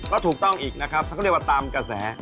ก็ถูกต้องอีกนะครับเขาก็เรียกว่าตามกระแส